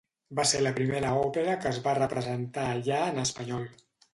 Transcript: Va ser la primera òpera que es va representar allà en espanyol.